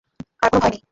আর কোনো ভয় নেই।